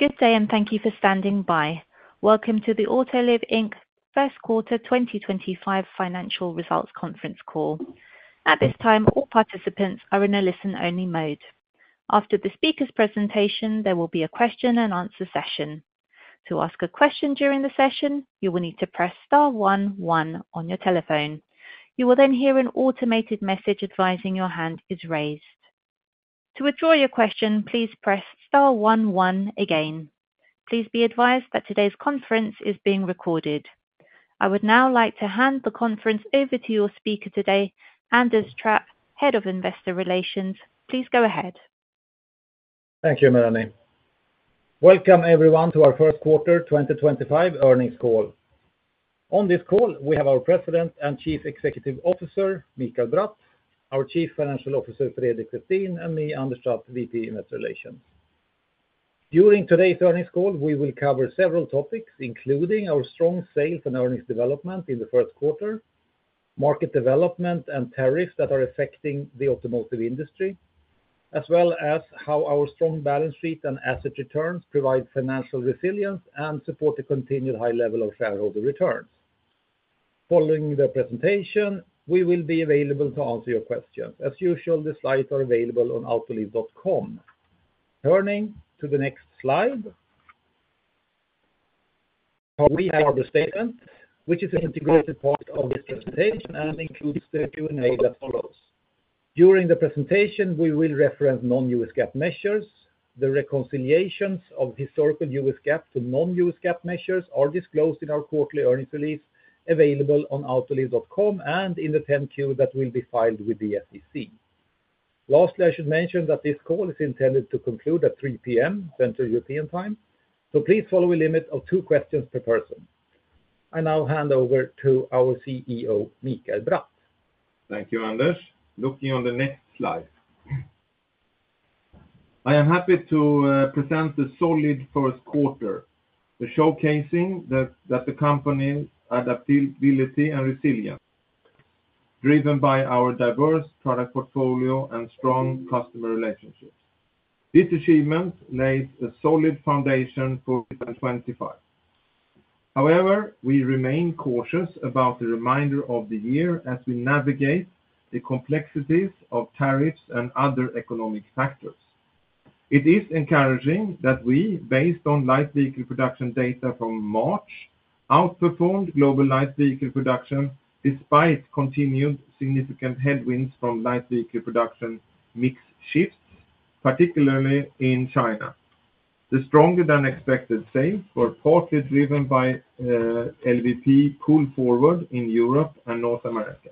Good day, and thank you for standing by. Welcome to the Autoliv Inc First Quarter 2025 Financial Results Conference Call. At this time, all participants are in a listen-only mode. After the speaker's presentation, there will be a question-and-answer session. To ask a question during the session, you will need to press star one one on your telephone. You will then hear an automated message advising your hand is raised. To withdraw your question, please press star one one again. Please be advised that today's conference is being recorded. I would now like to hand the conference over to your speaker today, Anders Trapp, Head of Investor Relations. Please go ahead. Thank you, Melanie. Welcome, everyone, to our First Quarter 2025 Earnings Call. On this call, we have our President and Chief Executive Officer, Mikael Bratt, our Chief Financial Officer, Fredrik Westin, and me, Anders Trapp, VP Investor Relations. During today's earnings call, we will cover several topics, including our strong sales and earnings development in the first quarter, market development and tariffs that are affecting the automotive industry, as well as how our strong balance sheet and asset returns provide financial resilience and support a continued high level of shareholder returns. Following the presentation, we will be available to answer your questions. As usual, the slides are available on autoliv.com. Turning to the next slide. We have our statement, which is an integrated part of this presentation and includes the Q&A that follows. During the presentation, we will reference non-U.S. GAAP measures. The reconciliations of historical U.S. GAAP to non-U.S. GAAP measures are disclosed in our quarterly earnings release available on autoliv.com and in the 10-Q that will be filed with the SEC. Lastly, I should mention that this call is intended to conclude at 3:00 P.M. Central European Time, so please follow a limit of two questions per person. I now hand over to our CEO, Mikael Bratt. Thank you, Anders. Looking on the next slide. I am happy to present the solid first quarter, showcasing that the company's adaptability and resilience, driven by our diverse product portfolio and strong customer relationships. This achievement lays a solid foundation for 2025. However, we remain cautious about the remainder of the year as we navigate the complexities of tariffs and other economic factors. It is encouraging that we, based on light vehicle production data from March, outperformed global light vehicle production despite continued significant headwinds from light vehicle production mix shifts, particularly in China. The stronger-than-expected sales were partly driven by LVP pull forward in Europe and North America.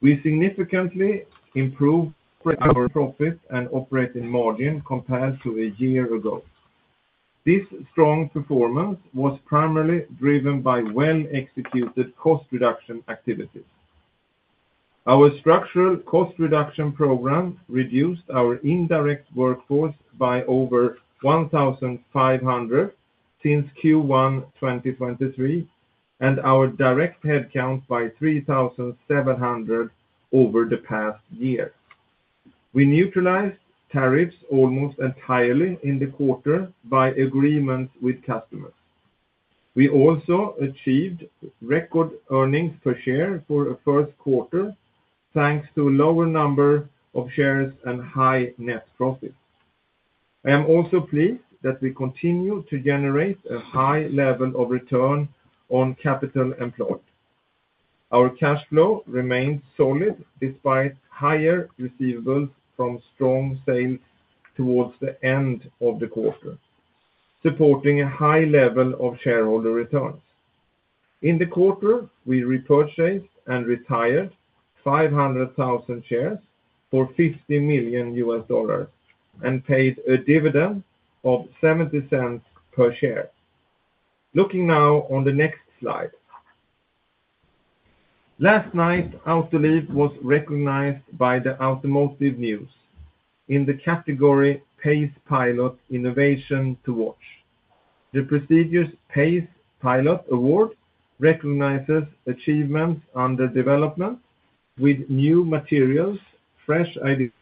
We significantly improved our profit and operating margin compared to a year ago. This strong performance was primarily driven by well-executed cost reduction activities. Our structural cost reduction program reduced our indirect workforce by over 1,500 since Q1 2023 and our direct headcount by 3,700 over the past year. We neutralized tariffs almost entirely in the quarter by agreements with customers. We also achieved record earnings per share for the first quarter, thanks to a lower number of shares and high net profits. I am also pleased that we continue to generate a high level of return on capital employed. Our cash flow remained solid despite higher receivables from strong sales towards the end of the quarter, supporting a high level of shareholder returns. In the quarter, we repurchased and retired 500,000 shares for $50 million and paid a dividend of $0.70 per share. Looking now on the next slide. Last night, Autoliv was recognized by Automotive News in the category Pace Pilot Innovation to Watch. The prestigious Pace Pilot Award recognizes achievements under development with new materials, fresh ideas,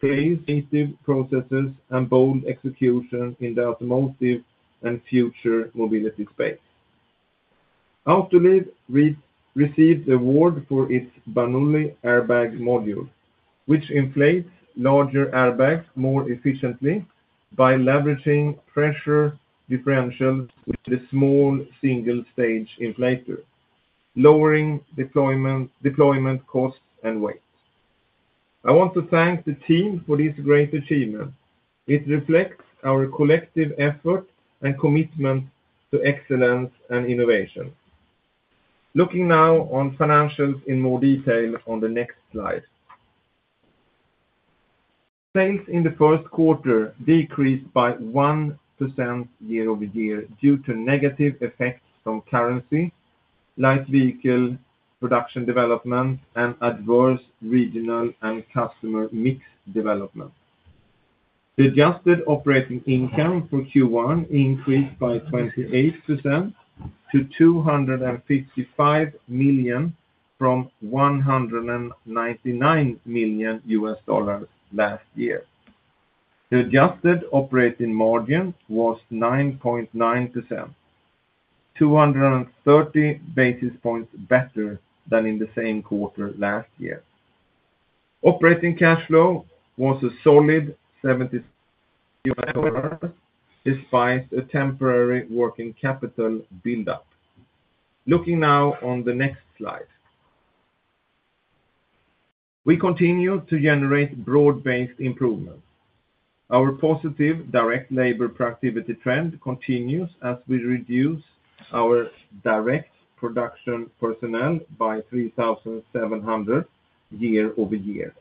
innovative processes, and bold execution in the automotive and future mobility space. Autoliv received the award for its Bernoulli Airbag module, which inflates larger airbags more efficiently by leveraging pressure differentials with a small single-stage inflator, lowering deployment costs and weight. I want to thank the team for this great achievement. It reflects our collective effort and commitment to excellence and innovation. Looking now on financials in more detail on the next slide. Sales in the first quarter decreased by 1% year over year due to negative effects from currency, light vehicle production development, and adverse regional and customer mix development. The adjusted operating income for Q1 increased by 28% to $255 million from $199 million last year. The adjusted operating margin was 9.9%, 230 basis points better than in the same quarter last year. Operating cash flow was a solid $77 million despite a temporary working capital build-up. Looking now on the next slide. We continue to generate broad-based improvements. Our positive direct labor productivity trend continues as we reduce our direct production personnel by 3,700 year over year.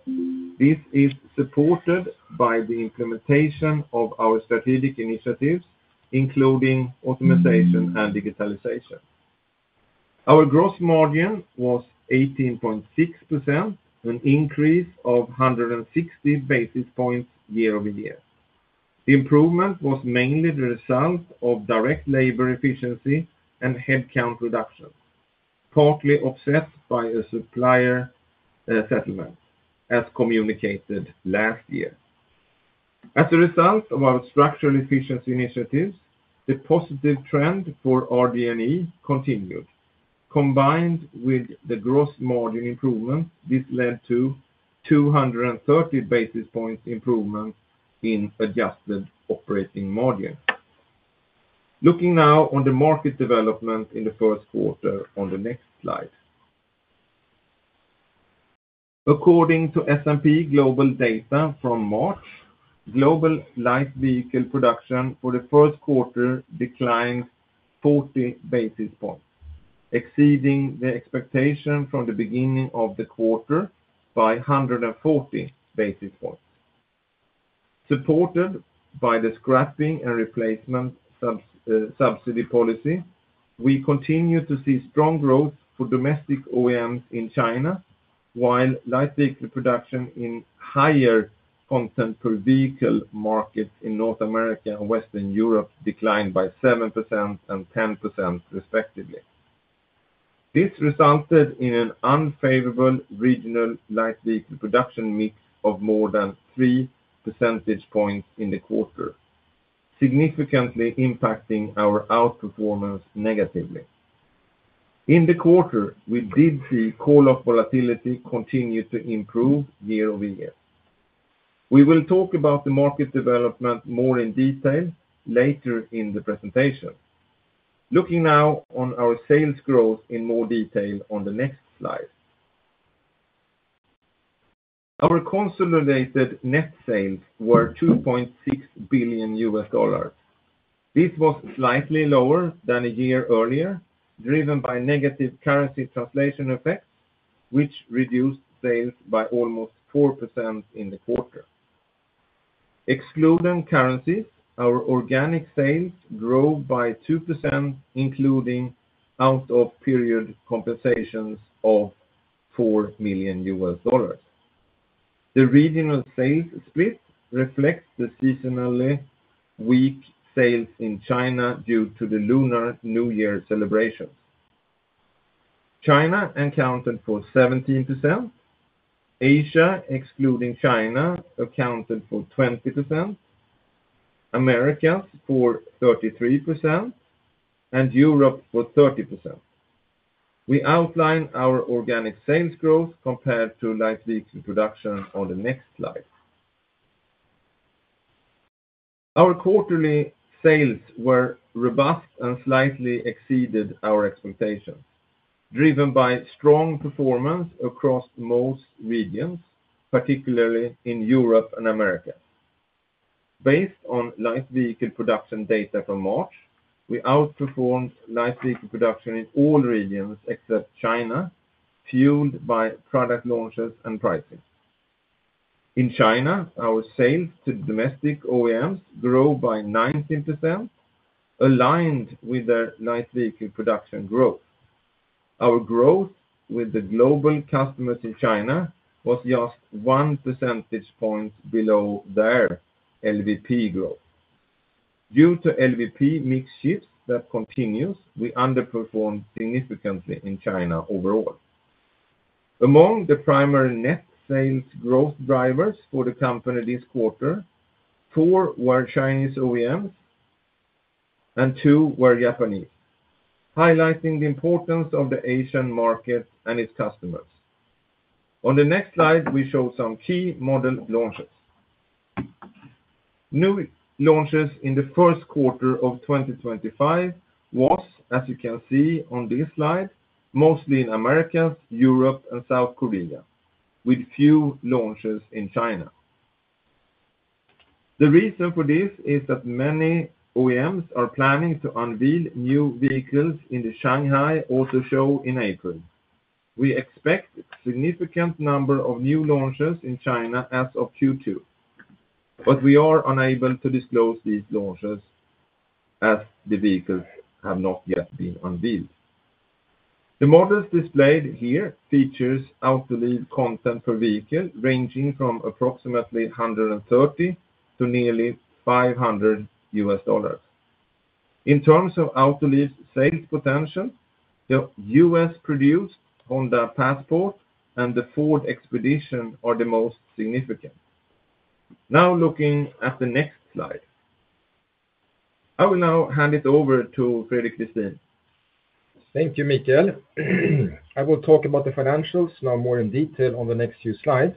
This is supported by the implementation of our strategic initiatives, including automation and digitalization. Our gross margin was 18.6%, an increase of 160 basis points year over year. The improvement was mainly the result of direct labor efficiency and headcount reductions, partly offset by a supplier settlement, as communicated last year. As a result of our structural efficiency initiatives, the positive trend for RD&E continued. Combined with the gross margin improvement, this led to 230 basis points improvement in adjusted operating margin. Looking now on the market development in the first quarter on the next slide. According to S&P Global Data from March, global light vehicle production for the first quarter declined 40 basis points, exceeding the expectation from the beginning of the quarter by 140 basis points. Supported by the scrapping and replacement subsidy policy, we continue to see strong growth for domestic OEMs in China, while light vehicle production in higher content per vehicle markets in North America and Western Europe declined by 7% and 10%, respectively. This resulted in an unfavorable regional light vehicle production mix of more than 3 percentage points in the quarter, significantly impacting our outperformance negatively. In the quarter, we did see call-off volatility continue to improve year over year. We will talk about the market development more in detail later in the presentation. Looking now on our sales growth in more detail on the next slide. Our consolidated net sales were $2.6 billion. This was slightly lower than a year earlier, driven by negative currency translation effects, which reduced sales by almost 4% in the quarter. Excluding currencies, our organic sales grew by 2%, including out-of-period compensations of $4 million. The regional sales split reflects the seasonally weak sales in China due to the Lunar New Year celebrations. China accounted for 17%, Asia excluding China accounted for 20%, America for 33%, and Europe for 30%. We outline our organic sales growth compared to light vehicle production on the next slide. Our quarterly sales were robust and slightly exceeded our expectations, driven by strong performance across most regions, particularly in Europe and America. Based on light vehicle production data from March, we outperformed light vehicle production in all regions except China, fueled by product launches and pricing. In China, our sales to domestic OEMs grew by 19%, aligned with their light vehicle production growth. Our growth with the global customers in China was just 1 percentage point below their LVP growth. Due to LVP mix shifts that continue, we underperformed significantly in China overall. Among the primary net sales growth drivers for the company this quarter, four were Chinese OEMs and two were Japanese, highlighting the importance of the Asian market and its customers. On the next slide, we show some key model launches. New launches in the first quarter of 2025 was, as you can see on this slide, mostly in Americas, Europe, and South Korea, with few launches in China. The reason for this is that many OEMs are planning to unveil new vehicles in the Shanghai Auto Show in April. We expect a significant number of new launches in China as of Q2, but we are unable to disclose these launches as the vehicles have not yet been unveiled. The models displayed here feature Autoliv content per vehicle ranging from approximately $130 to nearly $500. In terms of Autoliv's sales potential, the U.S.-produced Honda Passport and the Ford Expedition are the most significant. Now, looking at the next slide, I will now hand it over to Fredrik Westin. Thank you, Mikael. I will talk about the financials now more in detail on the next few slides.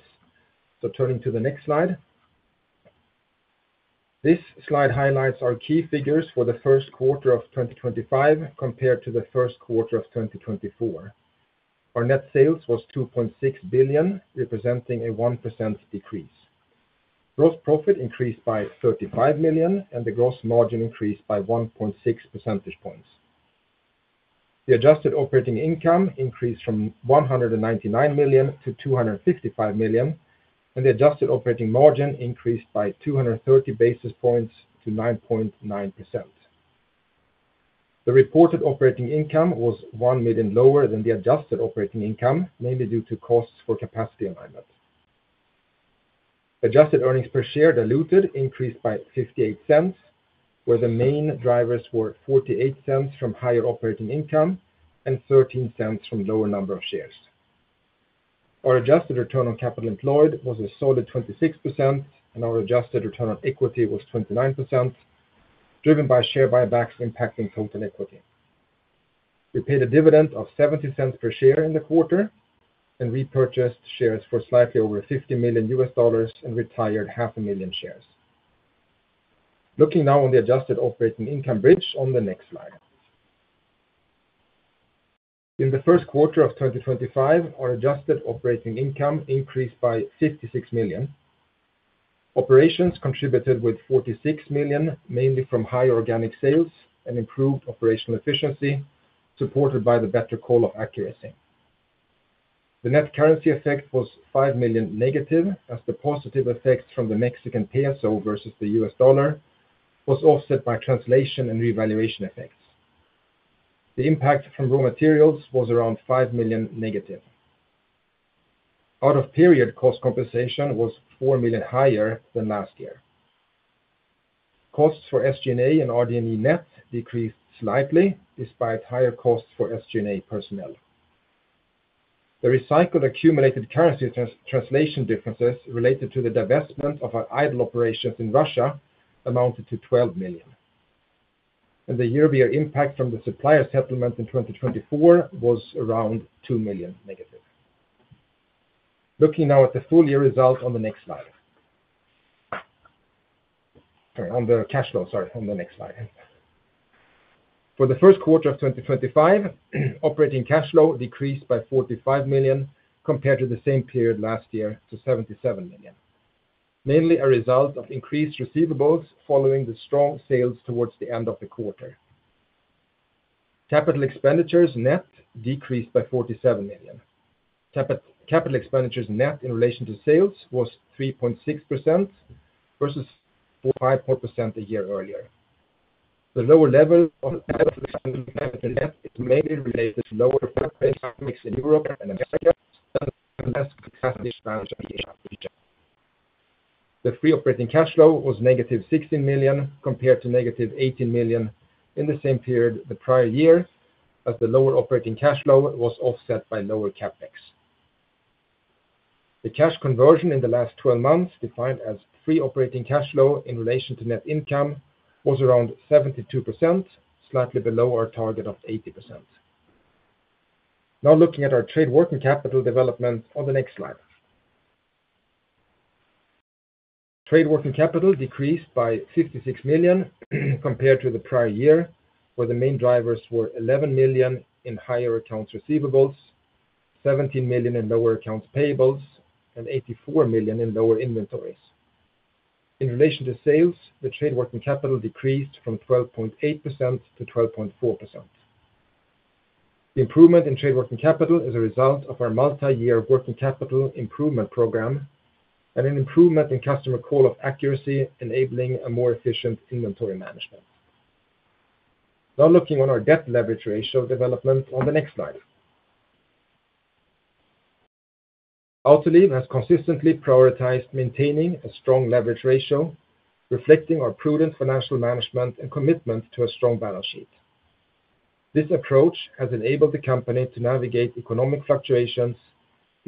Turning to the next slide. This slide highlights our key figures for the first quarter of 2025 compared to the first quarter of 2024. Our net sales was $2.6 billion, representing a 1% decrease. Gross profit increased by $35 million, and the gross margin increased by 1.6 percentage points. The adjusted operating income increased from $199 million to $255 million, and the adjusted operating margin increased by 230 basis points to 9.9%. The reported operating income was $1 million lower than the adjusted operating income, mainly due to costs for capacity alignment. Adjusted earnings per share diluted increased by $0.58, where the main drivers were $0.48 from higher operating income and $0.13 from lower number of shares. Our adjusted return on capital employed was a solid 26%, and our adjusted return on equity was 29%, driven by share buybacks impacting total equity. We paid a dividend of $0.70 per share in the quarter and repurchased shares for slightly over $50 million and retired 500,000 shares. Looking now on the adjusted operating income bridge on the next slide. In the first quarter of 2025, our adjusted operating income increased by $56 million. Operations contributed with $46 million, mainly from high organic sales and improved operational efficiency, supported by the better call-off accuracy. The net currency effect was $5 million negative, as the positive effects from the Mexican peso versus the U.S. dollar were offset by translation and revaluation effects. The impact from raw materials was around $5 million negative. Out-of-period cost compensation was $4 million higher than last year. Costs for SG&A and RD&E net decreased slightly despite higher costs for SG&A personnel. The recycled accumulated currency translation differences related to the divestment of our idle operations in Russia amounted to $12 million. The year-over-year impact from the supplier settlement in 2024 was around $2 million negative. Looking now at the full year result on the next slide. Sorry, on the cash flow, sorry, on the next slide. For the first quarter of 2025, operating cash flow decreased by $45 million compared to the same period last year to $77 million, mainly a result of increased receivables following the strong sales towards the end of the quarter. Capital expenditures net decreased by $47 million. Capital expenditures net in relation to sales was 3.6% versus 4.5% a year earlier. The lower level of capital expenditures net is mainly related to lower workplace mix in Europe and America and less capacity expansion in the Asian region. The free operating cash flow was negative $16 million compared to negative $18 million in the same period the prior year, as the lower operating cash flow was offset by lower CapEx. The cash conversion in the last 12 months, defined as free operating cash flow in relation to net income, was around 72%, slightly below our target of 80%. Now, looking at our trade working capital development on the next slide. Trade working capital decreased by $56 million compared to the prior year, where the main drivers were $11 million in higher accounts receivables, $17 million in lower accounts payables, and $84 million in lower inventories. In relation to sales, the trade working capital decreased from 12.8% to 12.4%. The improvement in trade working capital is a result of our multi-year working capital improvement program and an improvement in customer call-off accuracy, enabling a more efficient inventory management. Now, looking on our debt leverage ratio development on the next slide. Autoliv has consistently prioritized maintaining a strong leverage ratio, reflecting our prudent financial management and commitment to a strong balance sheet. This approach has enabled the company to navigate economic fluctuations,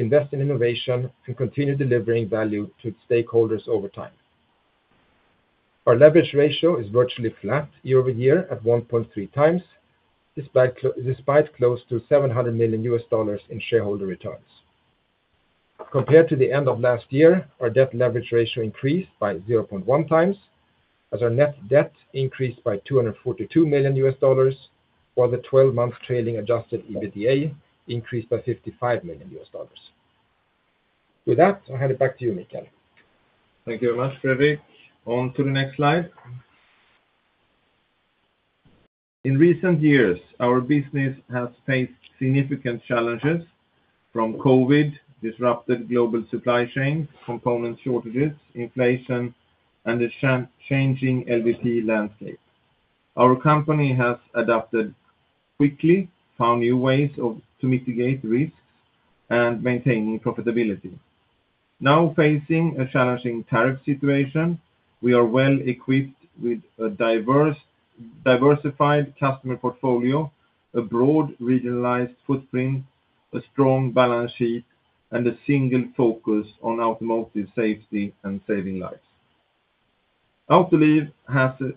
invest in innovation, and continue delivering value to stakeholders over time. Our leverage ratio is virtually flat year over year at 1.3 times, despite close to $700 million in shareholder returns. Compared to the end of last year, our debt leverage ratio increased by 0.1 times, as our net debt increased by $242 million, while the 12-month trailing adjusted EBITDA increased by $55 million. With that, I'll hand it back to you, Mikael. Thank you very much, Fredrik. On to the next slide. In recent years, our business has faced significant challenges from COVID, disrupted global supply chains, component shortages, inflation, and a changing LVP landscape. Our company has adapted quickly, found new ways to mitigate risks, and maintained profitability. Now facing a challenging tariff situation, we are well equipped with a diversified customer portfolio, a broad regionalized footprint, a strong balance sheet, and a single focus on automotive safety and saving lives. Autoliv has a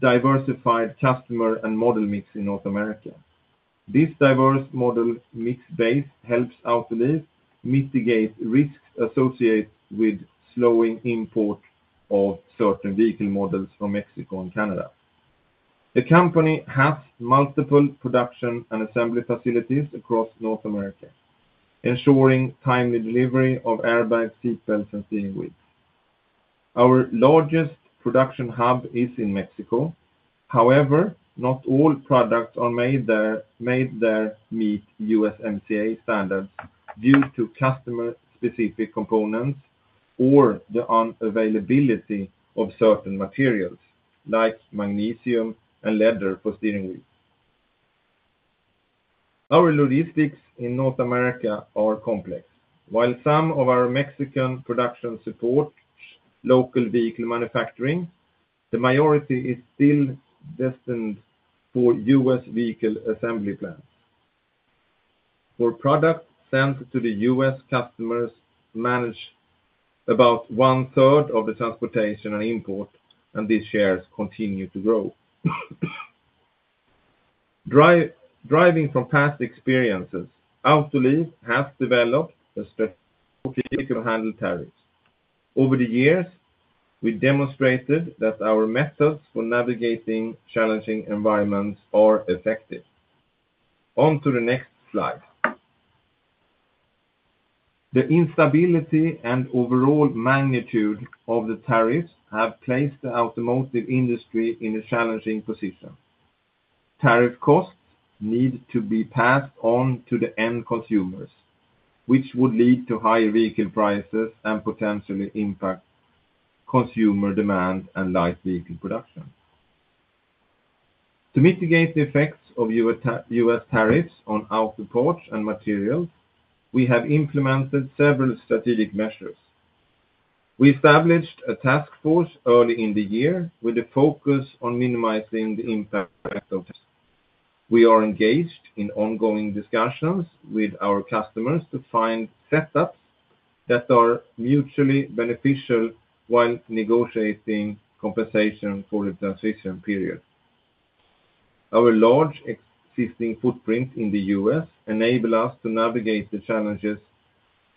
diversified customer and model mix in North America. This diverse model mix base helps Autoliv mitigate risks associated with slowing import of certain vehicle models from Mexico and Canada. The company has multiple production and assembly facilities across North America, ensuring timely delivery of airbags, seatbelts, and steering wheels. Our largest production hub is in Mexico. However, not all products made there meet USMCA standards due to customer-specific components or the unavailability of certain materials like magnesium and leather for steering wheels. Our logistics in North America are complex. While some of our Mexican production supports local vehicle manufacturing, the majority is still destined for U.S. vehicle assembly plants. For products sent to U.S. customers managed about one-third of the transportation and import, and these shares continue to grow. Driving from past experiences, Autoliv has developed a strategic approach to vehicle handle tariffs. Over the years, we demonstrated that our methods for navigating challenging environments are effective. On to the next slide. The instability and overall magnitude of the tariffs have placed the automotive industry in a challenging position. Tariff costs need to be passed on to the end consumers, which would lead to higher vehicle prices and potentially impact consumer demand and light vehicle production. To mitigate the effects of U.S. tariffs on auto parts and materials, we have implemented several strategic measures. We established a task force early in the year with a focus on minimizing the impact of tariffs. We are engaged in ongoing discussions with our customers to find setups that are mutually beneficial while negotiating compensation for the transition period. Our large existing footprint in the U.S. enables us to navigate the challenges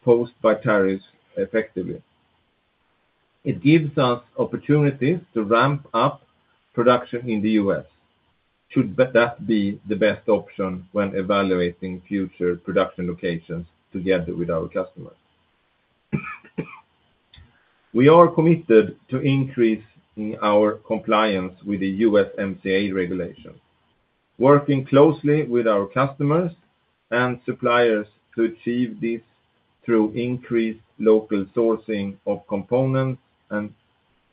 posed by tariffs effectively. It gives us opportunities to ramp up production in the U.S., should that be the best option when evaluating future production locations together with our customers. We are committed to increasing our compliance with the USMCA regulations, working closely with our customers and suppliers to achieve this through increased local sourcing of components and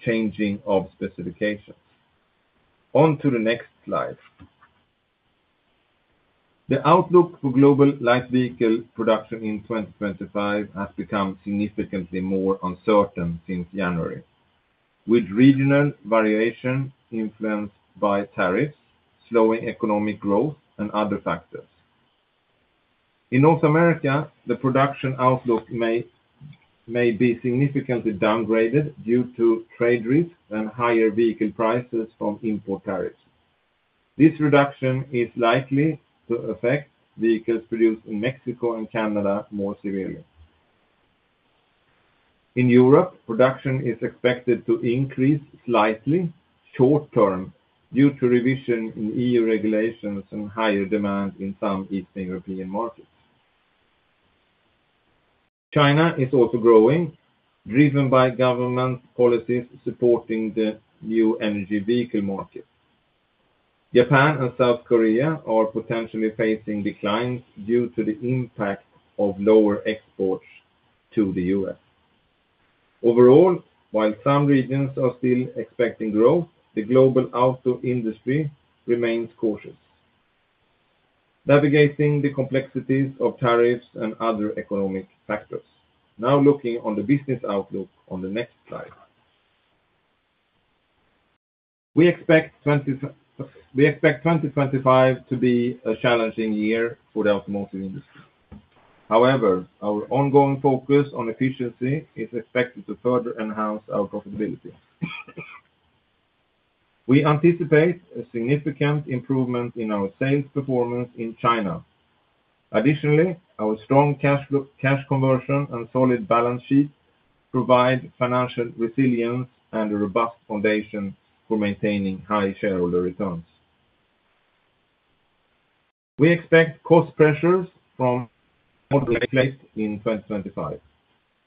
changing of specifications. On to the next slide. The outlook for global light vehicle production in 2025 has become significantly more uncertain since January, with regional variation influenced by tariffs, slowing economic growth, and other factors. In North America, the production outlook may be significantly downgraded due to trade risk and higher vehicle prices from import tariffs. This reduction is likely to affect vehicles produced in Mexico and Canada more severely. In Europe, production is expected to increase slightly short-term due to revision in EU regulations and higher demand in some Eastern European markets. China is also growing, driven by government policies supporting the new energy vehicle market. Japan and South Korea are potentially facing declines due to the impact of lower exports to the U.S. Overall, while some regions are still expecting growth, the global auto industry remains cautious, navigating the complexities of tariffs and other economic factors. Now, looking on the business outlook on the next slide. We expect 2025 to be a challenging year for the automotive industry. However, our ongoing focus on efficiency is expected to further enhance our profitability. We anticipate a significant improvement in our sales performance in China. Additionally, our strong cash conversion and solid balance sheet provide financial resilience and a robust foundation for maintaining high shareholder returns. We expect cost pressures from auto in 2025,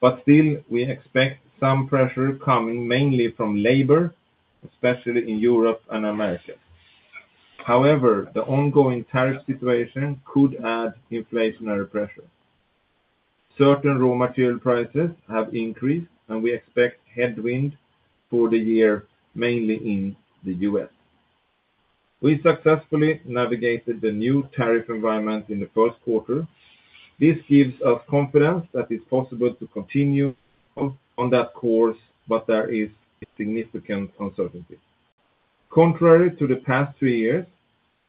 but still, we expect some pressure coming mainly from labor, especially in Europe and America. However, the ongoing tariff situation could add inflationary pressure. Certain raw material prices have increased, and we expect headwind for the year, mainly in the U.S. We successfully navigated the new tariff environment in the first quarter. This gives us confidence that it's possible to continue on that course, but there is significant uncertainty. Contrary to the past three years,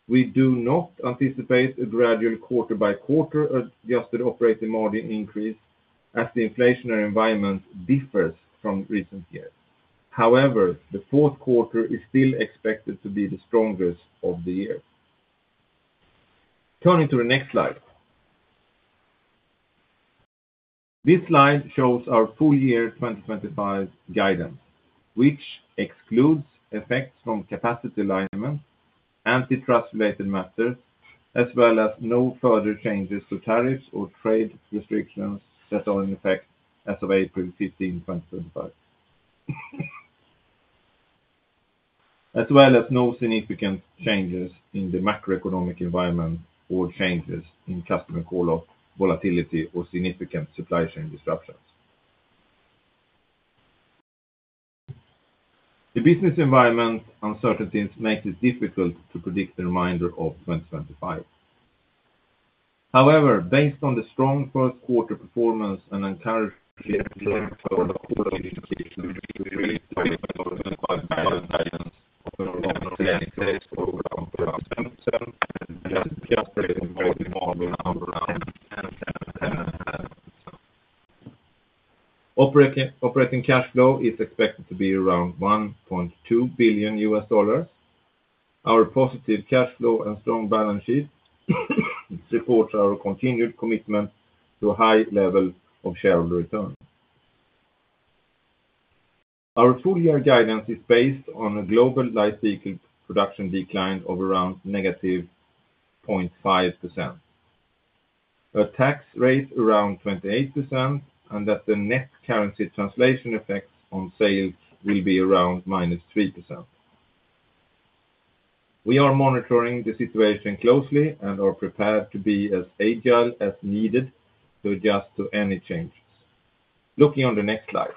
we do not anticipate a gradual quarter-by-quarter adjusted operating margin increase as the inflationary environment differs from recent years. However, the fourth quarter is still expected to be the strongest of the year. Turning to the next slide. This slide shows our full year 2025 guidance, which excludes effects from capacity alignment, antitrust-related matters, as well as no further changes to tariffs or trade restrictions that are in effect as of April 15, 2025, as well as no significant changes in the macroeconomic environment or changes in customer call-off volatility or significant supply chain disruptions. The business environment uncertainties make it difficult to predict the remainder of 2025. However, based on the strong first quarter performance and encouraging inflationary forecasts, we rely on the automotive guidance of the Australian tax program for around 7% and gas prices involving under 10%. Operating cash flow is expected to be around $1.2 billion. Our positive cash flow and strong balance sheet support our continued commitment to a high level of shareholder return. Our full year guidance is based on a global light vehicle production decline of around negative 0.5%, a tax rate around 28%, and that the net currency translation effects on sales will be around minus 3%. We are monitoring the situation closely and are prepared to be as agile as needed to adjust to any changes. Looking on the next slide.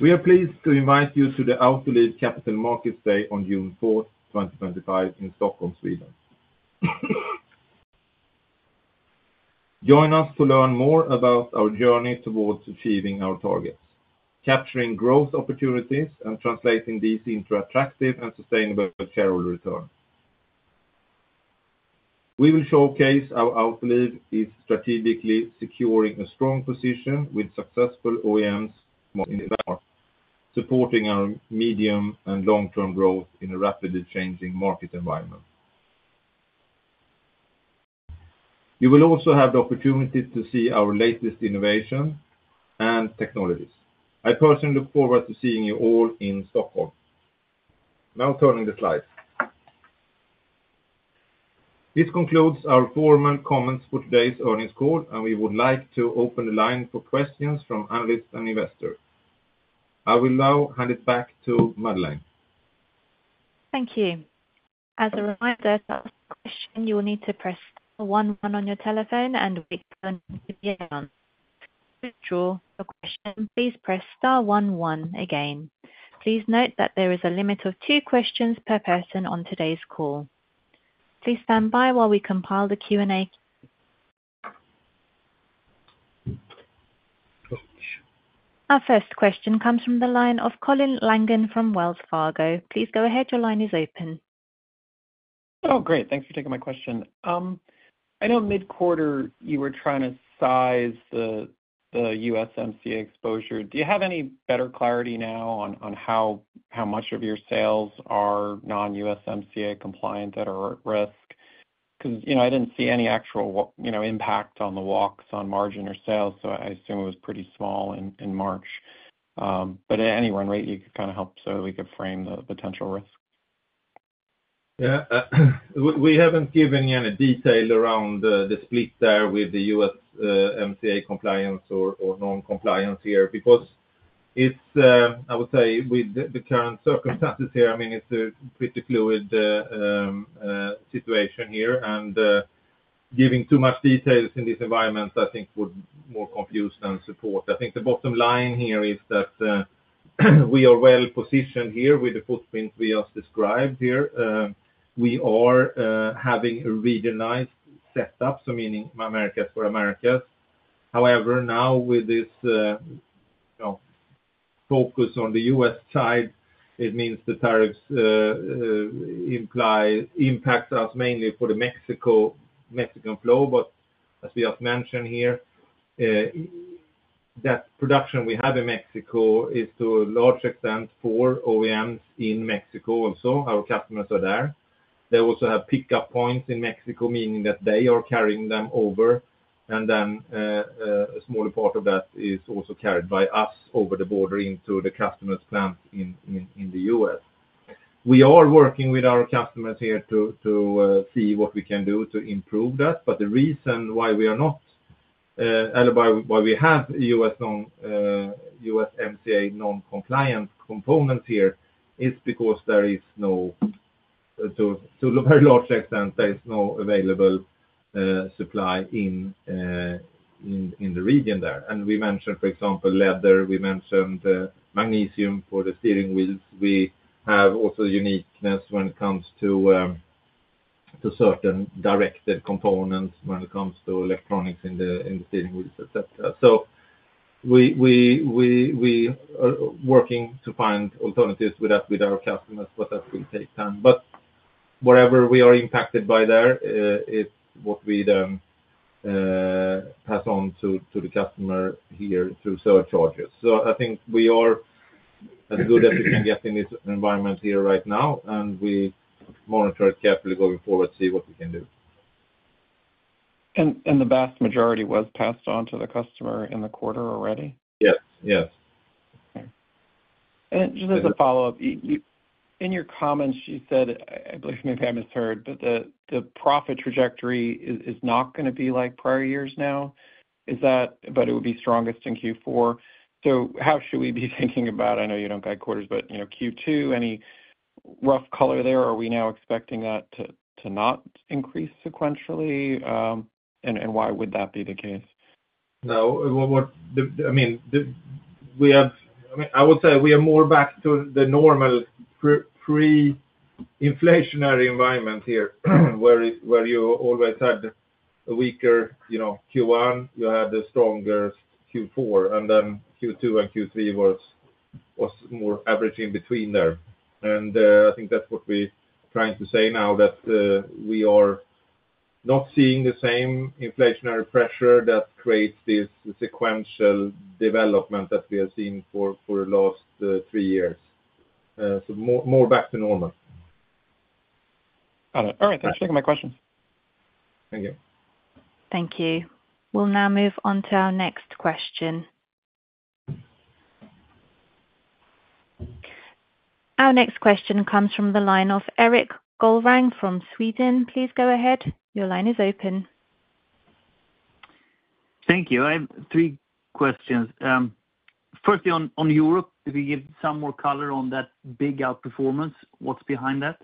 We are pleased to invite you to the Autoliv Capital Markets Day on June 4, 2025, in Stockholm, Sweden. Join us to learn more about our journey towards achieving our targets, capturing growth opportunities, and translating these into attractive and sustainable shareholder returns. We will showcase how Autoliv is strategically securing a strong position with successful OEMs in Denmark, supporting our medium and long-term growth in a rapidly changing market environment. You will also have the opportunity to see our latest innovations and technologies. I personally look forward to seeing you all in Stockholm. Now, turning the slide. This concludes our formal comments for today's earnings call, and we would like to open the line for questions from analysts and investors. I will now hand it back to Melanie. Thank you. As a reminder, to ask a question, you will need to press star one one on your telephone, and we can hear you on. To withdraw your question, please press star one one again. Please note that there is a limit of two questions per person on today's call. Please stand by while we compile the Q&A. Our first question comes from the line of Colin Langan from Wells Fargo. Please go ahead. Your line is open. Oh, great. Thanks for taking my question. I know mid-quarter you were trying to size the USMCA exposure. Do you have any better clarity now on how much of your sales are non-USMCA compliant that are at risk? Because I did not see any actual impact on the walks on margin or sales, so I assume it was pretty small in March. At any run rate, you could kind of help so that we could frame the potential risks. Yeah. We haven't given you any detail around the split there with the USMCA compliance or non-compliance here, because it's, I would say, with the current circumstances here, I mean, it's a pretty fluid situation here. Giving too much detail in this environment, I think, would more confuse than support. I think the bottom line here is that we are well positioned here with the footprint we just described here. We are having a regionalized setup, so meaning Americas for Americas. However, now with this focus on the U.S. side, it means the tariffs implies impact us mainly for the Mexican flow. As we just mentioned here, that production we have in Mexico is to a large extent for OEMs in Mexico also. Our customers are there. They also have pickup points in Mexico, meaning that they are carrying them over. A smaller part of that is also carried by us over the border into the customer's plant in the U.S. We are working with our customers here to see what we can do to improve that. The reason why we are not, or why we have USMCA non-compliant components here is because there is no, to a very large extent, there is no available supply in the region there. We mentioned, for example, leather. We mentioned magnesium for the steering wheels. We have also uniqueness when it comes to certain directed components, when it comes to electronics in the steering wheels, etc. We are working to find alternatives with that with our customers, but that will take time. Whatever we are impacted by there, it is what we then pass on to the customer here through surcharges. I think we are as good as we can get in this environment here right now, and we monitor it carefully going forward to see what we can do. The vast majority was passed on to the customer in the quarter already? Yes. Yes. Okay. Just as a follow-up, in your comments, you said, I believe maybe I misheard, but the profit trajectory is not going to be like prior years now, but it will be strongest in Q4. How should we be thinking about, I know you don't guide quarters, but Q2, any rough color there? Are we now expecting that to not increase sequentially? Why would that be the case? No. I mean, we have, I mean, I would say we are more back to the normal pre-inflationary environment here, where you always had a weaker Q1, you had a stronger Q4, and then Q2 and Q3 was more average in between there. I think that's what we're trying to say now, that we are not seeing the same inflationary pressure that creates this sequential development that we have seen for the last three years. More back to normal. Got it. All right. Thanks for taking my question. Thank you. Thank you. We'll now move on to our next question. Our next question comes from the line of Erik Golrang from Sweden. Please go ahead. Your line is open. Thank you. I have three questions. Firstly, on Europe, if you give some more color on that big outperformance, what's behind that?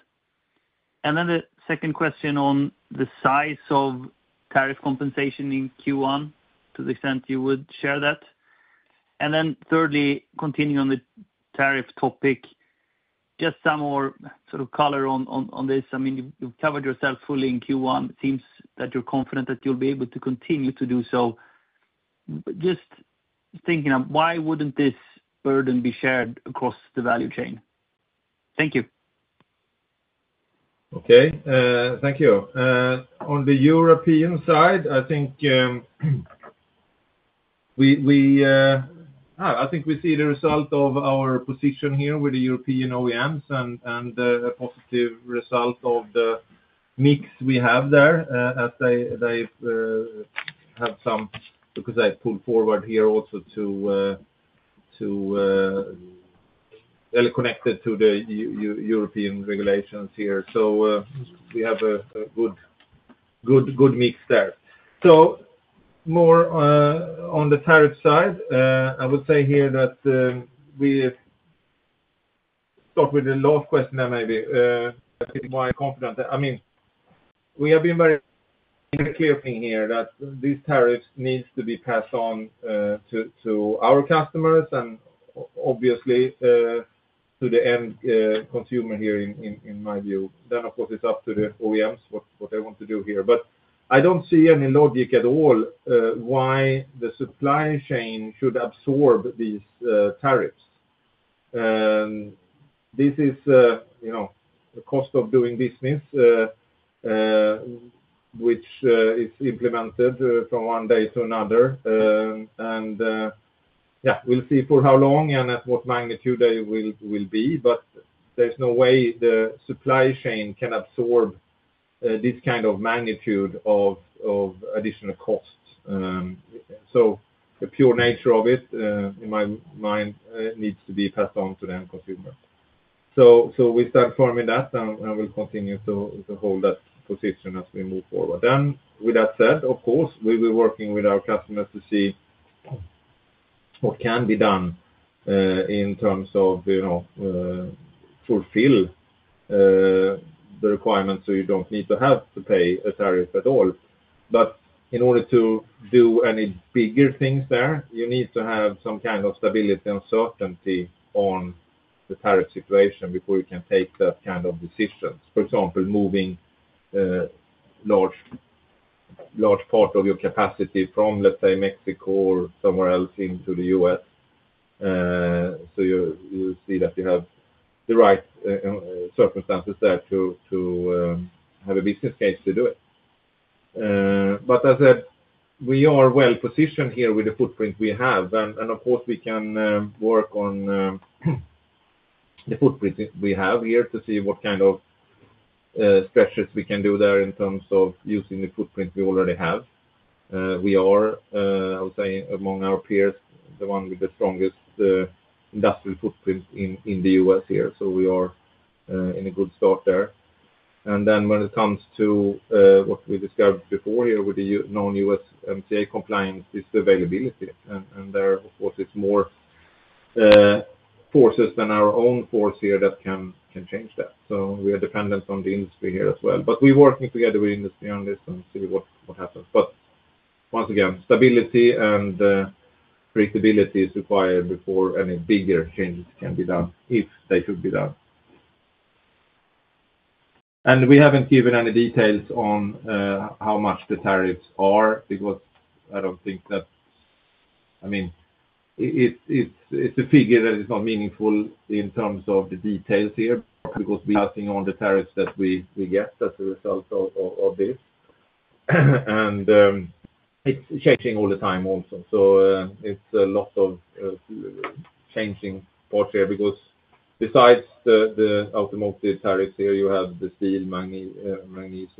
The second question on the size of tariff compensation in Q1, to the extent you would share that. Thirdly, continuing on the tariff topic, just some more sort of color on this. I mean, you've covered yourself fully in Q1. It seems that you're confident that you'll be able to continue to do so. Just thinking of why wouldn't this burden be shared across the value chain? Thank you. Okay. Thank you. On the European side, I think we see the result of our position here with the European OEMs and a positive result of the mix we have there, as they have some, because I pulled forward here also to really connect it to the European regulations here. We have a good mix there. More on the tariff side, I would say here that we start with the last question there, maybe. I think. Confident. I mean, we have been very clear here that these tariffs need to be passed on to our customers and obviously to the end consumer here, in my view. Of course, it is up to the OEMs what they want to do here. I do not see any logic at all why the supply chain should absorb these tariffs. This is the cost of doing business, which is implemented from one day to another. Yeah, we'll see for how long and at what magnitude they will be. There is no way the supply chain can absorb this kind of magnitude of additional costs. The pure nature of it, in my mind, needs to be passed on to the end consumer. We start forming that, and we'll continue to hold that position as we move forward. With that said, of course, we'll be working with our customers to see what can be done in terms of fulfilling the requirements so you do not need to have to pay a tariff at all. In order to do any bigger things there, you need to have some kind of stability and certainty on the tariff situation before you can take that kind of decision. For example, moving a large part of your capacity from, let's say, Mexico or somewhere else into the U.S., you see that you have the right circumstances there to have a business case to do it. As I said, we are well positioned here with the footprint we have. Of course, we can work on the footprint we have here to see what kind of stretches we can do there in terms of using the footprint we already have. We are, I would say, among our peers, the one with the strongest industrial footprint in the U.S. here. We are in a good start there. When it comes to what we described before here with the non-USMCA compliance, it's the availability. There, of course, it's more forces than our own force here that can change that. We are dependent on the industry here as well. We are working together with industry on this and see what happens. Once again, stability and predictability is required before any bigger changes can be done, if they should be done. We have not given any details on how much the tariffs are, because I do not think that, I mean, it is a figure that is not meaningful in terms of the details here. We are passing on the tariffs that we get as a result of this. It is changing all the time also. It is a lot of changing parts here, because besides the automotive tariffs here, you have the steel,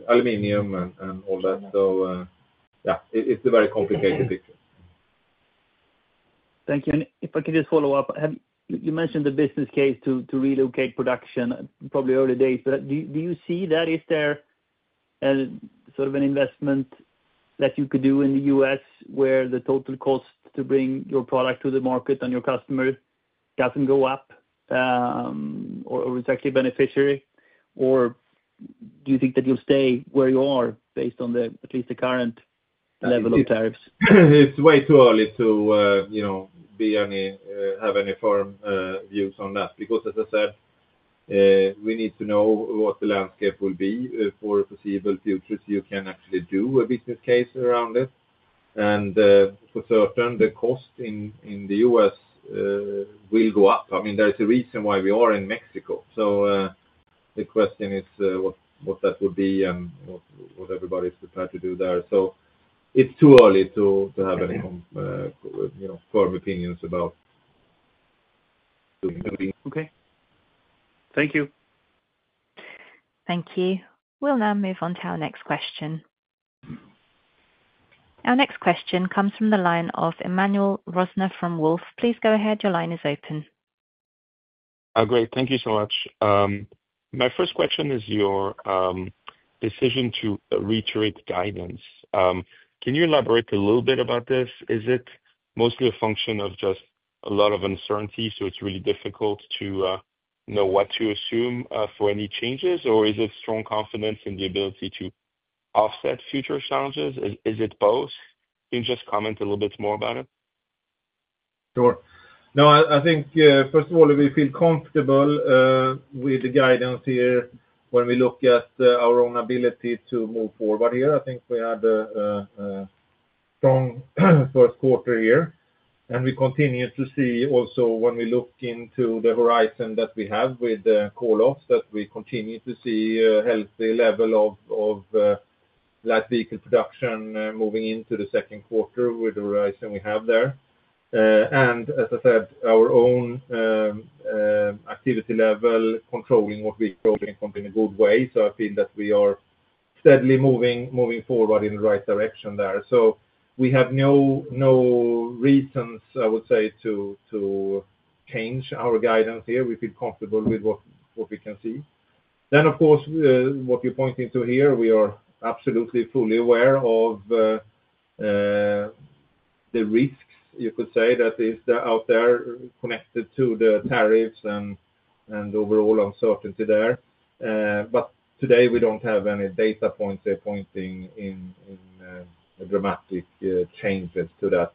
aluminum, and all that. It is a very complicated picture. Thank you. If I could just follow up, you mentioned the business case to relocate production, probably early days. Do you see that? Is there sort of an investment that you could do in the U.S. where the total cost to bring your product to the market and your customer does not go up, or is that the beneficiary? Do you think that you will stay where you are based on at least the current level of tariffs? It's way too early to have any firm views on that, because, as I said, we need to know what the landscape will be for a foreseeable future so you can actually do a business case around it. I mean, there is a reason why we are in Mexico. The question is what that would be and what everybody is prepared to do there. It's too early to have any firm opinions about moving. Okay. Thank you. Thank you. We'll now move on to our next question. Our next question comes from the line of Emmanuel Rosner from Wolfe. Please go ahead. Your line is open. Great. Thank you so much. My first question is your decision to reiterate guidance. Can you elaborate a little bit about this? Is it mostly a function of just a lot of uncertainty, so it's really difficult to know what to assume for any changes, or is it strong confidence in the ability to offset future challenges? Is it both? Can you just comment a little bit more about it? Sure. No, I think, first of all, we feel comfortable with the guidance here when we look at our own ability to move forward here. I think we had a strong first quarter here. We continue to see also when we look into the horizon that we have with the call-offs that we continue to see a healthy level of light vehicle production moving into the second quarter with the horizon we have there. As I said, our own activity level controlling what we're building in a good way. I feel that we are steadily moving forward in the right direction there. We have no reasons, I would say, to change our guidance here. We feel comfortable with what we can see. Of course, what you're pointing to here, we are absolutely fully aware of the risks, you could say, that is out there connected to the tariffs and overall uncertainty there. Today, we do not have any data points pointing in dramatic changes to that.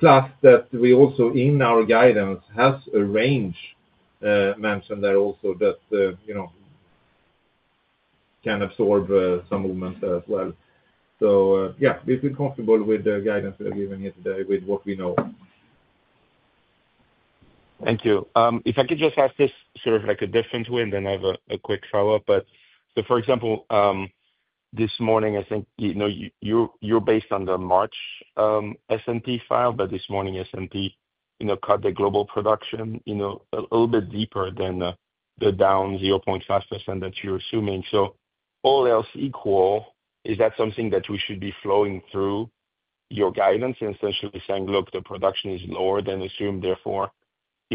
Plus, we also, in our guidance, have a range mentioned there also that can absorb some movements there as well. Yeah, we feel comfortable with the guidance we are given here today with what we know. Thank you. If I could just ask this sort of a different way, and then I have a quick follow-up. For example, this morning, I think you're based on the March S&P file, but this morning, S&P cut the global production a little bit deeper than the down 0.5% that you're assuming. All else equal, is that something that we should be flowing through your guidance and essentially saying, "look, the production is lower than assumed, therefore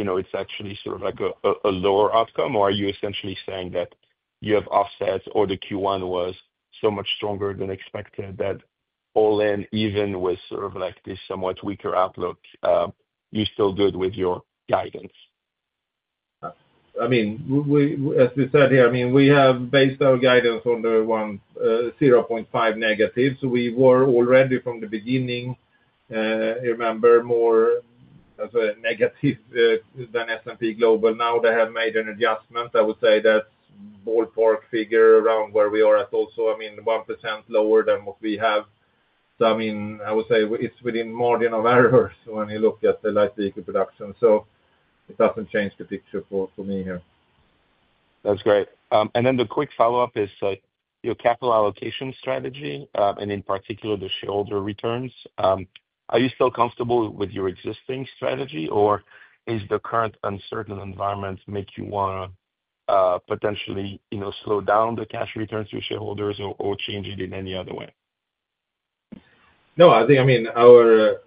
it's actually sort of a lower outcome"? Are you essentially saying that you have offsets or the Q1 was so much stronger than expected that all in, even with sort of this somewhat weaker outlook, you're still good with your guidance? I mean, as we said here, I mean, we have based our guidance on the 1.05% negative. We were already from the beginning, remember, more negative with an S&P Global now. They have made an adjustment. I would say that's a ballpark figure around where we are at also. I mean, 1% lower than what we have. I would say it's within margin of error when you look at the light vehicle production. It doesn't change the picture for me here. That's great. The quick follow-up is your capital allocation strategy, and in particular, the shareholder returns. Are you still comfortable with your existing strategy, or does the current uncertain environment make you want to potentially slow down the cash returns to shareholders or change it in any other way? No, I think, I mean, our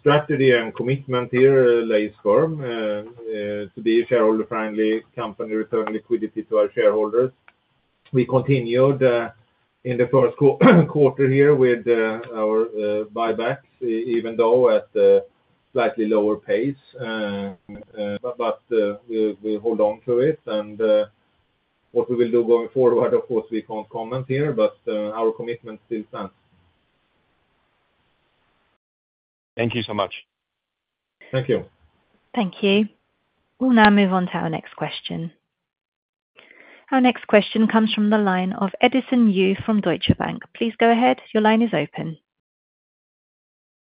strategy and commitment here lays firm to be a shareholder-friendly company returning liquidity to our shareholders. We continued in the first quarter here with our buybacks, even though at a slightly lower pace. We hold on to it. What we will do going forward, of course, we can't comment here, but our commitment still stands. Thank you so much. Thank you. Thank you. We'll now move on to our next question. Our next question comes from the line of Edison Yu from Deutsche Bank. Please go ahead. Your line is open.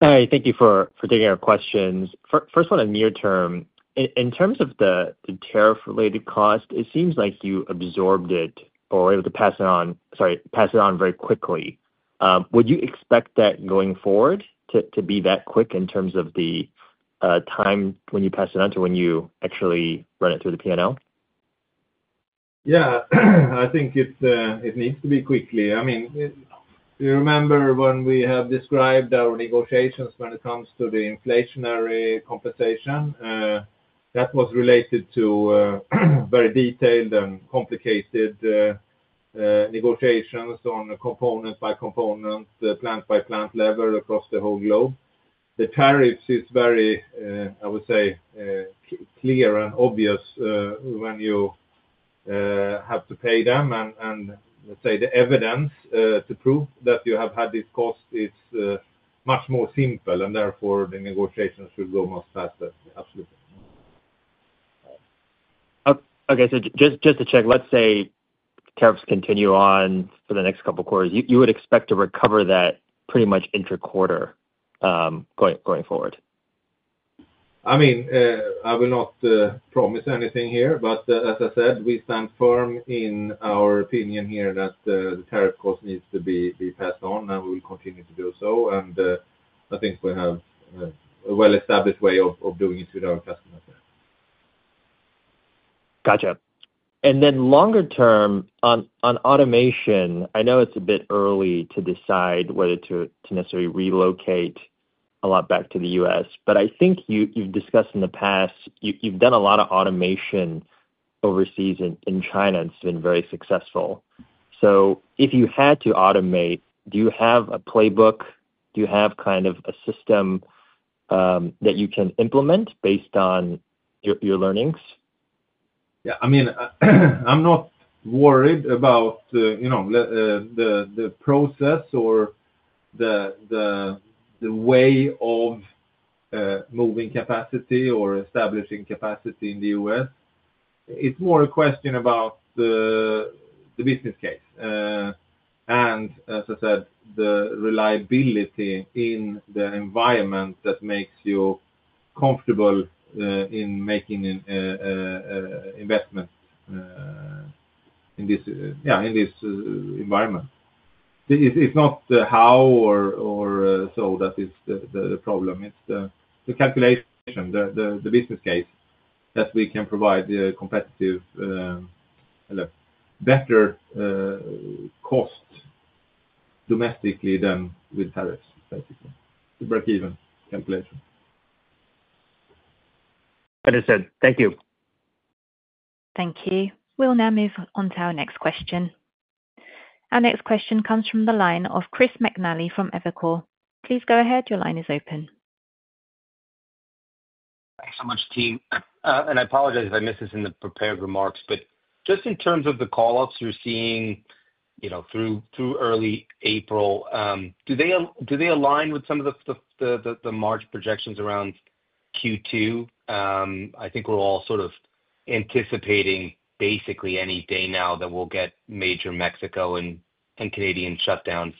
Hi. Thank you for taking our questions. First one, a near term. In terms of the tariff-related cost, it seems like you absorbed it or were able to pass it on, sorry, pass it on very quickly. Would you expect that going forward to be that quick in terms of the time when you pass it on to when you actually run it through the P&L? Yeah. I think it needs to be quickly. I mean, you remember when we have described our negotiations when it comes to the inflationary compensation? That was related to very detailed and complicated negotiations on component by component, the plant by plant level across the whole globe. The tariffs is very, I would say, clear and obvious when you have to pay them. Let's say the evidence to prove that you have had this cost is much more simple, and therefore the negotiations should go much faster. Absolutely. Okay. Just to check, let's say tariffs continue on for the next couple of quarters, you would expect to recover that pretty much inter quarter going forward? I mean, I will not promise anything here. As I said, we stand firm in our opinion here that the tariff cost needs to be passed on, and we will continue to do so. I think we have a well-established way of doing it with our customers. Got you. Longer term, on automation, I know it's a bit early to decide whether to necessarily relocate a lot back to the U.S. I think you've discussed in the past, you've done a lot of automation overseas in China and it's been very successful. If you had to automate, do you have a playbook? Do you have kind of a system that you can implement based on your learnings? Yeah. I mean, I'm not worried about the process or the way of moving capacity or establishing capacity in the U.S. It's more a question about the business case. I said, the reliability in the environment that makes you comfortable in making investments in this environment. It's not the how or so that is the problem. It's the calculation, the business case, that we can provide a competitive and a better cost domestically than with tariffs, basically. It's a break-even calculation. Understood. Thank you. Thank you. We'll now move on to our next question. Our next question comes from the line of Chris McNally from Evercore. Please go ahead. Your line is open. Thanks so much, team. I apologize if I missed this in the prepared remarks. Just in terms of the call-ups you're seeing through early April, do they align with some of the March projections around Q2? I think we're all sort of anticipating basically any day now that we'll get major Mexico and Canadian shutdowns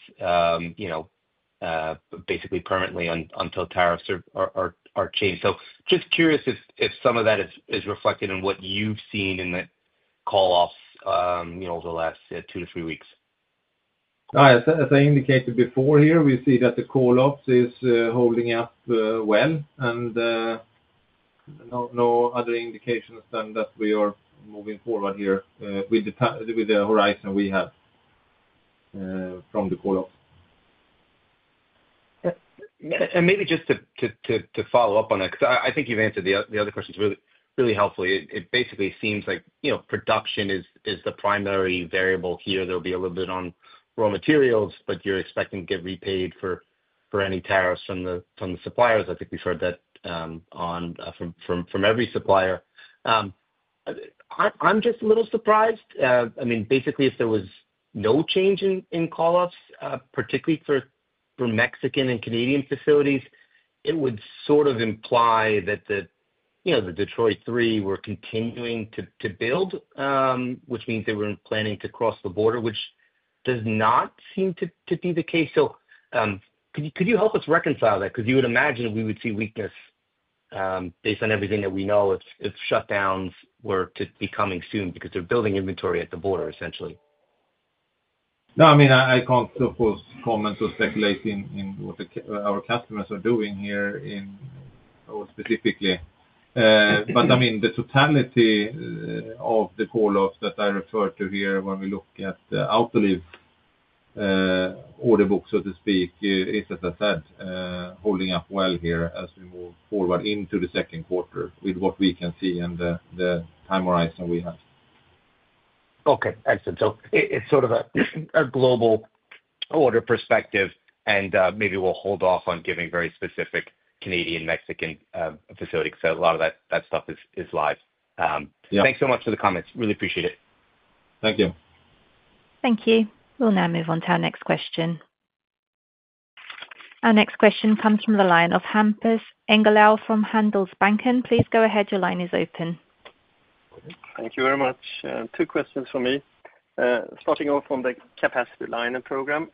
basically permanently until tariffs are changed. Just curious if some of that is reflected in what you've seen in the call-offs over the last two to three weeks. As I indicated before here, we see that the call-offs is holding up well. No other indications than that we are moving forward here with the horizon we have from the call-offs. Maybe just to follow up on that, because I think you've answered the other questions really helpfully. It basically seems like production is the primary variable here. There will be a little bit on raw materials, but you're expecting to get repaid for any tariffs from the suppliers. I think we've heard that from every supplier. I'm just a little surprised. I mean, basically, if there was no change in call-offs, particularly for Mexican and Canadian facilities, it would sort of imply that the Detroit 3 were continuing to build, which means they were planning to cross the border, which does not seem to be the case. Could you help us reconcile that? You would imagine we would see weakness based on everything that we know if shutdowns were to be coming soon because they're building inventory at the border, essentially. No, I mean, I can't suppose comments or speculating in what our customers are doing here specifically. I mean, the totality of the call-offs that I referred to here when we look at the Autoliv order book, so to speak, is, as I said, holding up well here as we move forward into the second quarter with what we can see and the time horizon we have. Excellent. It is sort of a global order perspective, and maybe we'll hold off on giving very specific Canadian and Mexican facilities because a lot of that stuff is live. Thanks so much for the comments. Really appreciate it. Thank you. Thank you. We'll now move on to our next question. Our next question comes from the line of Hampus Engellau from Handelsbanken. Please go ahead. Your line is open. Thank you very much. Two questions for me. Starting off on the capacity line and program.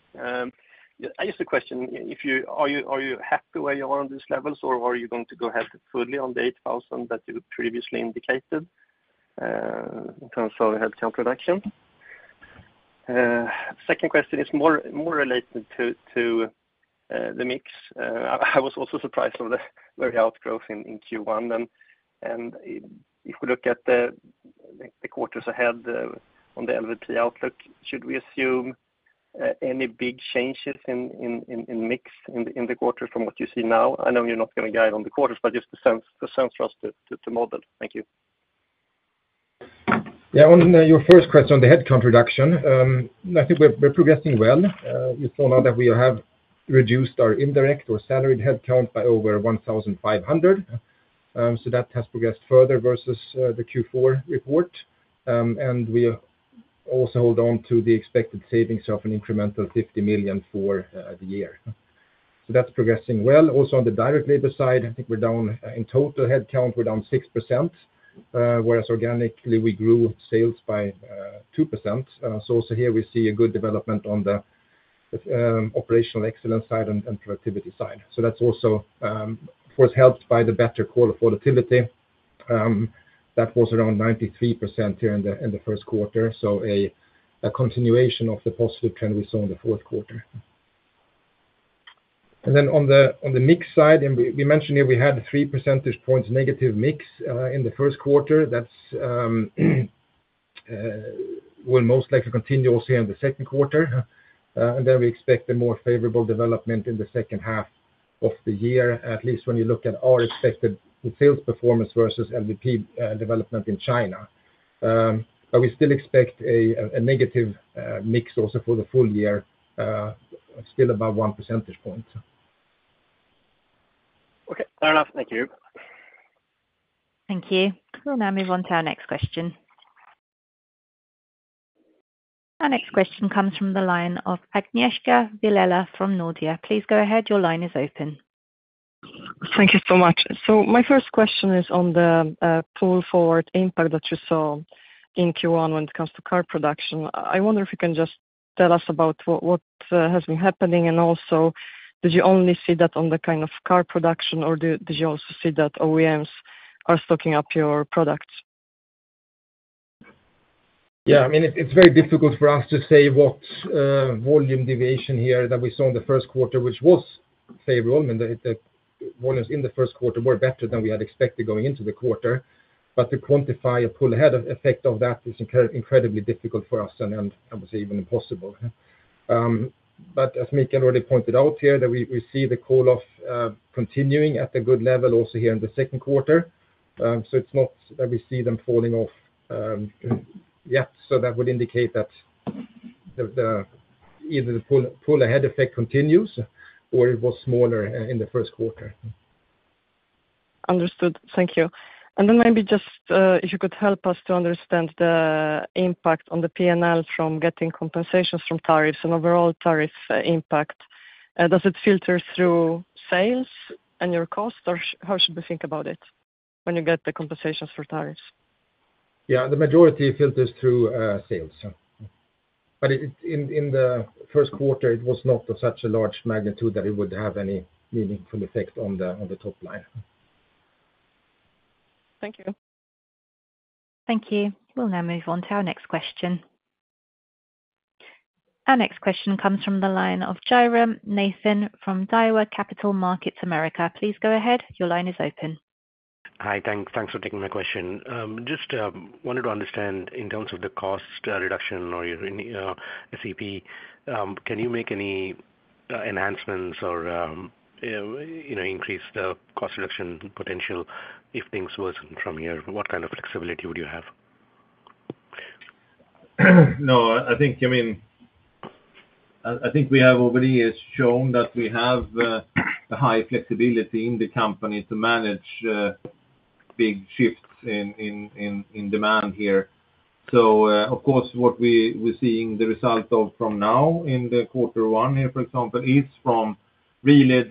I just have a question. Are you happy where you are on these levels, or are you going to go ahead fully on the 8,000 that you previously indicated in terms of healthcare production? Second question is more related to the mix. I was also surprised of the very outgrowth in Q1. And if we look at the quarters ahead on the LVP outlook, should we assume any big changes in mix in the quarter from what you see now? I know you're not going to guide on the quarters, but just the sense for us to model. Thank you. Yeah. On your first question on the headcount reduction, I think we're progressing well. You saw now that we have reduced our indirect or salaried headcount by over 1,500. That has progressed further versus the Q4 report. We also hold on to the expected savings of an incremental $50 million for the year. That's progressing well. Also on the direct labor side, I think we're down in total headcount, we're down 6%, whereas organically we grew sales by 2%. Here we see a good development on the operational excellence side and productivity side. That's also, of course, helped by the better call-off volatility. That was around 93% here in the first quarter, a continuation of the positive trend we saw in the fourth quarter. On the mix side, we mentioned here we had a 3 percentage points negative mix in the first quarter. That will most likely continue also here in the second quarter. We expect a more favorable development in the second half of the year, at least when you look at our expected sales performance versus LVP development in China. We still expect a negative mix also for the full year, still about 1 percentage point. Okay. Fair enough. Thank you. Thank you. We'll now move on to our next question. Our next question comes from the line of Agnieszka Vilela from Nordea. Please go ahead. Your line is open. Thank you so much. My first question is on the pull-forward impact that you saw in Q1 when it comes to car production. I wonder if you can just tell us about what has been happening. Also, did you only see that on the kind of car production, or did you also see that OEMs are stocking up your products? Yeah. I mean, it's very difficult for us to say what volume deviation here that we saw in the first quarter, which was favorable. I mean, the volumes in the first quarter were better than we had expected going into the quarter. To quantify a pull-head effect of that is incredibly difficult for us and I would say even impossible. As Mikael already pointed out here, we see the call-off continuing at a good level also here in the second quarter. It's not that we see them falling off yet. That would indicate that either the pull-head effect continues or it was smaller in the first quarter. Understood. Thank you. Maybe just if you could help us to understand the impact on the P&L from getting compensations from tariffs and overall tariff impact. Does it filter through sales and your cost, or how should we think about it when you get the compensations for tariffs? Yeah. The majority filters through sales. In the first quarter, it was not of such a large magnitude that it would have any meaningful effect on the top line. Thank you. Thank you. We'll now move on to our next question. Our next question comes from the line of Jairam Nathan from Daiwa Capital Markets America. Please go ahead. Your line is open. Hi. Thanks for taking my question. Just wanted to understand in terms of the cost reduction or your SEP, can you make any enhancements or increase the cost reduction potential if things worsen from here? What kind of flexibility would you have? No. I mean, I think we have over the years shown that we have a high flexibility in the company to manage big shifts in demand here. Of course, what we are seeing the result of from now in the quarter one here, for example, is from really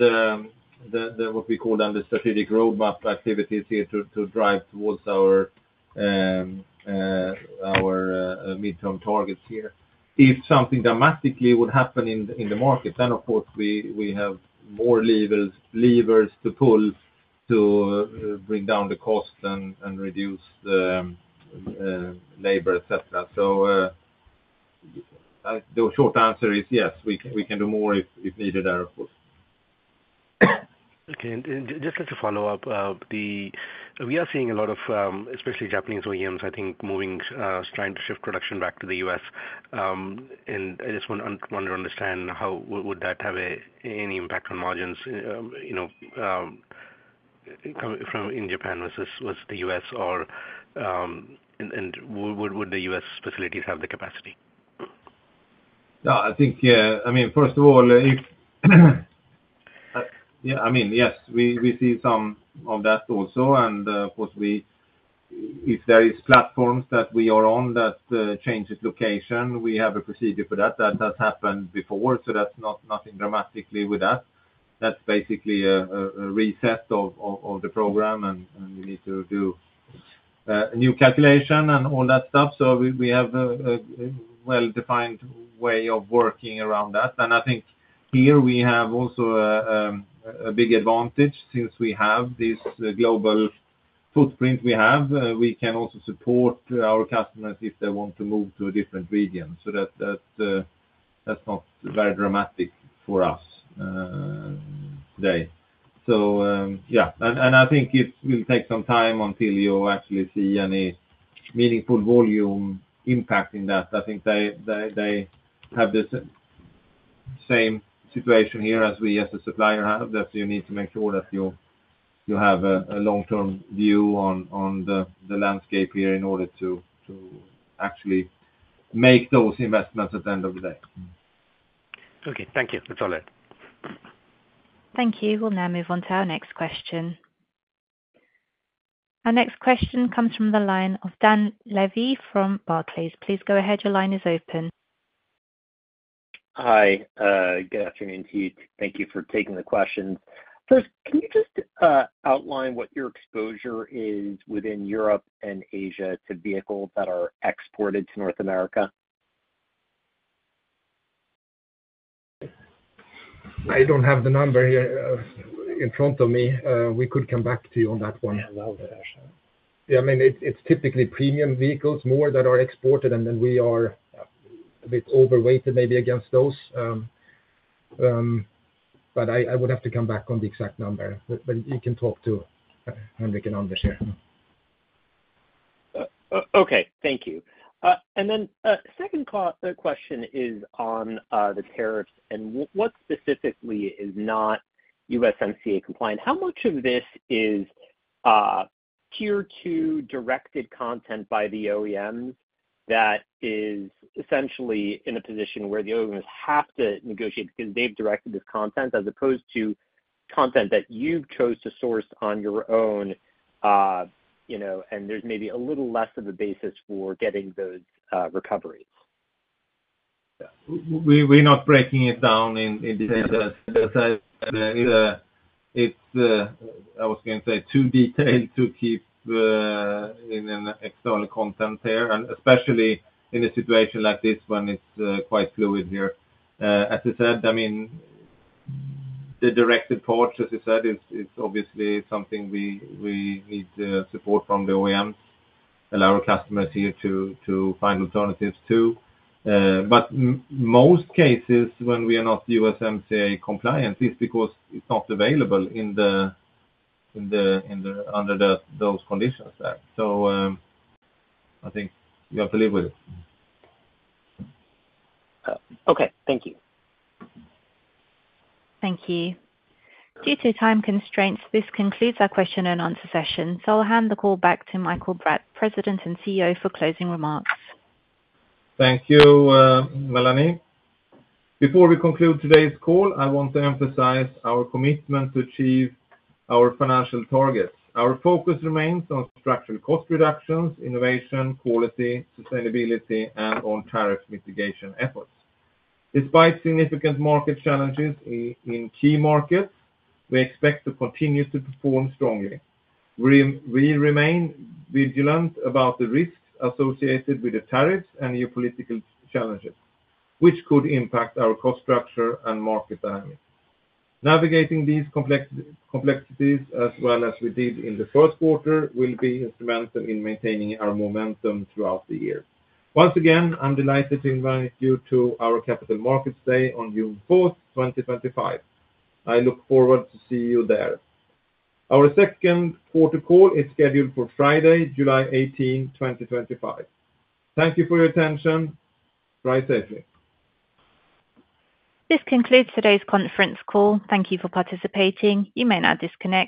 what we call then the strategic roadmap activities here to drive towards our midterm targets here. If something dramatically would happen in the market, of course, we have more levers to pull to bring down the cost and reduce the labor, etc. The short answer is yes, we can do more if needed there, of course. Okay. Just to follow up, we are seeing a lot of, especially Japanese OEMs, I think, moving, trying to shift production back to the U.S. I just want to understand how would that have any impact on margins in Japan versus the U.S., and would the U.S. facilities have the capacity? No. I think, I mean, first of all, yeah, I mean, yes, we see some of that also. Of course, if there are platforms that we are on that change of location, we have a procedure for that. That has happened before, so that's nothing dramatic with that. That's basically a reset of the program, and we need to do a new calculation and all that stuff. We have a well-defined way of working around that. I think here we have also a big advantage since we have this global footprint we have. We can also support our customers if they want to move to a different region. That's not very dramatic for us today. Yeah. I think it will take some time until you actually see any meaningful volume impact in that. I think they have the same situation here as we as a supplier have. That you need to make sure that you have a long-term view on the landscape here in order to actually make those investments at the end of the day. Okay. Thank you. That's all I had. Thank you. We'll now move on to our next question. Our next question comes from the line of Dan Levy from Barclays. Please go ahead. Your line is open. Hi. Good afternoon to you. Thank you for taking the questions. First, can you just outline what your exposure is within Europe and Asia to vehicles that are exported to North America? I don't have the number here in front of me. We could come back to you on that one. Yeah. I mean, it's typically premium vehicles, more that are exported, and then we are a bit over weighted maybe against those. I would have to come back on the exact number. You can talk to Fredrik and Anders here. Okay. Thank you. The second question is on the tariffs and what specifically is not USMCA compliant. How much of this is tier-two directed content by the OEMs that is essentially in a position where the OEMs have to negotiate because they have directed this content as opposed to content that you have chosen to source on your own? There is maybe a little less of a basis for getting those recoveries. We're not breaking it down in detail. I was going to say too detailed to keep in an external content here, especially in a situation like this when it's quite fluid here. As I said, I mean, the directed part, as I said, is obviously something we need support from the OEMs and our customers here to find alternatives to. In most cases when we are not USMCA compliant it is because it's not available under those conditions there. I think you have to live with it. Okay. Thank you. Thank you. Due to time constraints, this concludes our question and answer session. I'll hand the call back to Mikael Bratt, President and CEO, for closing remarks. Thank you, Melanie. Before we conclude today's call, I want to emphasize our commitment to achieve our financial targets. Our focus remains on structural cost reductions, innovation, quality, sustainability, and on tariff mitigation efforts. Despite significant market challenges in key markets, we expect to continue to perform strongly. We remain vigilant about the risks associated with the tariffs and geopolitical challenges, which could impact our cost structure and market dynamics. Navigating these complexities as well as we did in the first quarter will be instrumental in maintaining our momentum throughout the year. Once again, I'm delighted to invite you to our Capital Markets Day on June 4th, 2025. I look forward to seeing you there. Our second quarter call is scheduled for Friday, July 18th, 2025. Thank you for your attention. Rise safely. This concludes today's conference call. Thank you for participating. You may now disconnect.